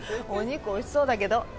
お肉美味しそうだけど。